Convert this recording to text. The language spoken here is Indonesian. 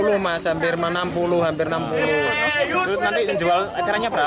nanti dijual acaranya berapa mas